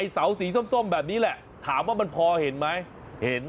เสาสีส้มแบบนี้แหละถามว่ามันพอเห็นไหมเห็น